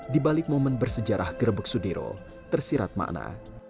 di balik momen bersejarah gerebek sudiro tersirat makna